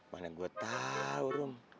mana gue tau rum